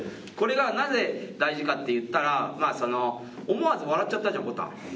これがなぜ大事かっていったら、思わず笑っちゃったじゃん、ぼたん。